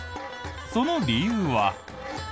その理由は。